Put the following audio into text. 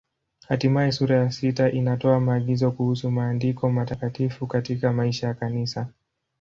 Hatimaye sura ya sita inatoa maagizo kuhusu Maandiko Matakatifu katika maisha ya Kanisa.